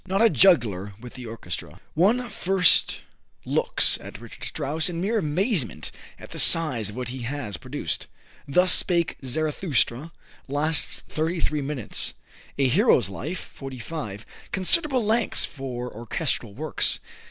Not a Juggler with the Orchestra. One first looks at Richard Strauss in mere amazement at the size of what he has produced. "Thus Spake Zarathustra" lasts thirty three minutes, "A Hero's Life" forty five considerable lengths for orchestral works.